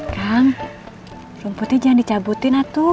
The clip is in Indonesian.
kang rumputnya jangan dicabutin atuh